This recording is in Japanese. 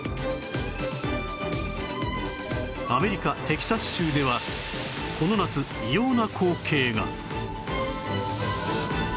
アメリカテキサス州ではこの夏異様な光景が